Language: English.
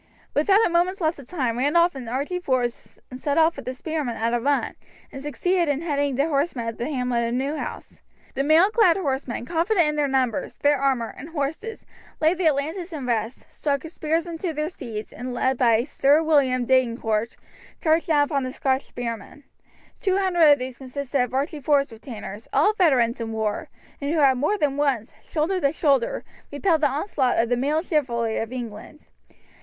Without a moment's loss of time Randolph and Archie Forbes set off with the spearmen at a run, and succeeded in heading the horsemen at the hamlet of Newhouse. The mail clad horsemen, confident in their numbers, their armour, and horses, laid their lances in rest, struck spurs into their steeds, and, led by Sir William Daynecourt, charged down upon the Scotch spearmen. Two hundred of these consisted of Archie Forbes' retainers, all veterans in war, and who had more than once, shoulder to shoulder, repelled the onslaught of the mailed chivalry of England.